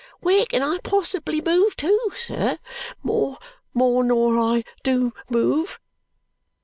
Where can I possibly move to, sir, more nor I do move!"